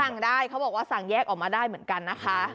สั่งได้เขาบอกว่าสั่งแยกออกมาได้เหมือนกันนะคะ